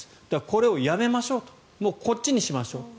これをやめましょうとこっちにしましょう。